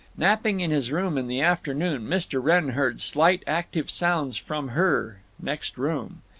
Napping in his room in the afternoon, Mr. Wrenn heard slight active sounds from her, next room.